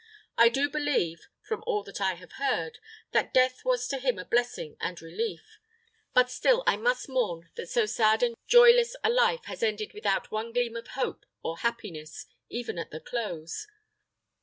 I do believe, from all that I have heard, that death was to him a blessing and relief; but still I must mourn that so sad and joyless a life has ended without one gleam of hope or happiness, even at the close.